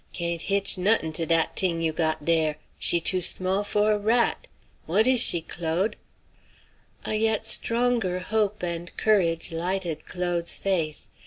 Can't hitch nuttin' to dat t'ing you got dare; she too small for a rat. What she is, Claude?" A yet stronger hope and courage lighted Claude's face.